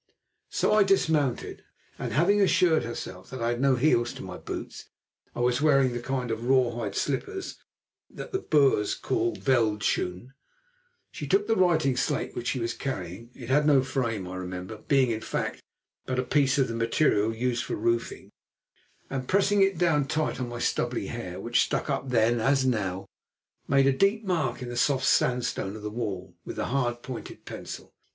So I dismounted, and, having assured herself that I had no heels to my boots (I was wearing the kind of raw hide slippers that the Boers call veld shoon), she took the writing slate which she was carrying—it had no frame, I remember, being, in fact, but a piece of the material used for roofing—and, pressing it down tight on my stubbly hair, which stuck up then as now, made a deep mark in the soft sandstone of the wall with the hard pointed pencil.